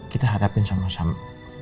kita hadapin sama sama